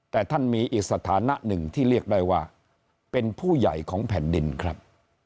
แต่ท่านมีอีกสถานะหนึ่งที่เรียกได้ว่าเป็นผู้ใหญ่ของแผ่นดินครับ